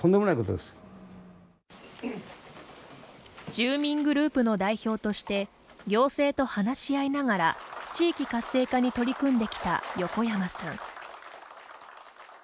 住民グループの代表として行政と話し合いながら地域活性化に取り組んできた横山さん。